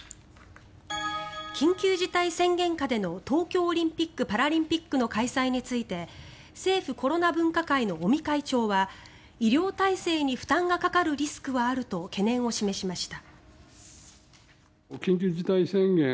緊急事態宣言下での東京オリンピック・パラリンピックの開催について政府コロナ分科会の尾身会長は医療体制に負担がかかるリスクはあると懸念を示しました。